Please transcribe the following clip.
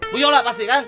bu yola pasti kan